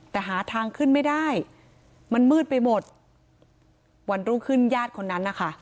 แต่หาทางขึ้นไม่ได้มันมืดไปหมดวันรุ่งขึ้นญาติคนนั้นนะคะ